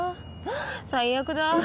最悪だ。